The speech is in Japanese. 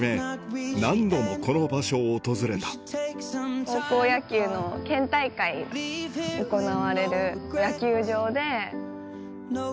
何度もこの場所を訪れた高校野球の県大会が行われる野球場で。